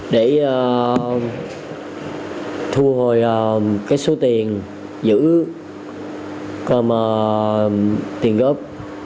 để thu hồi số tiền giữ cơm tiền góp